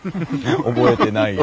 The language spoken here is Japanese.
覚えてないよね。